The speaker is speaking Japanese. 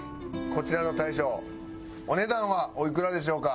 こちらの大将お値段はおいくらでしょうか？